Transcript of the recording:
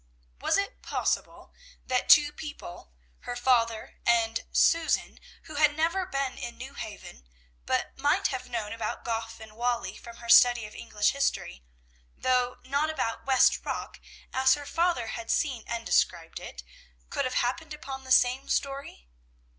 Was it possible that two people, her father and Susan, who had never been in New Haven, but might have known about Goff and Whalley from her study of English history, though not about West Rock as her father had seen and described it, could have happened upon the same story?